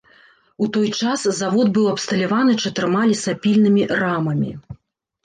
У той час завод быў абсталяваны чатырма лесапільнымі рамамі.